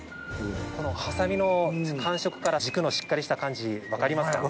このハサミの感触から軸のしっかりした感じ分かりますか？